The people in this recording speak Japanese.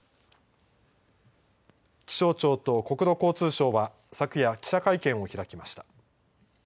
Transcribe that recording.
気象庁と国土交通省は昨夜、記者会見を開きました。